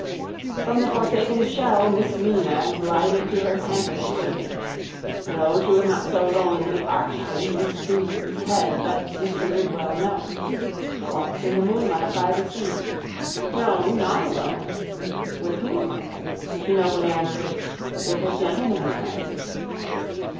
From the forsaken shell miss Mina glided to her tankards waiting. No, she was not so lonely archly miss Douce's head let Mr Lidwell know. Walks in the moonlight by the sea. No, not alone. With whom? She nobly answered: with a gentleman friend.